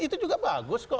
itu juga bagus kok